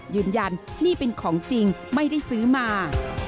ยืนยันนี่เป็นของจริงไม่ได้ซื้อมา